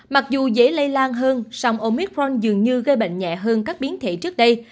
mặc dù dễ lây lan hơn sòng omicron dường như gây bệnh nhẹ hơn các biến thể trước đây